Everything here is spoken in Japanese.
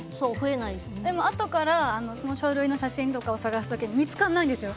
あとからその書類の写真とか探す時に見つからないんですよ